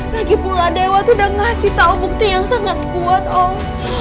lagi pula dewa tuh udah ngasih tau bukti yang sangat kuat om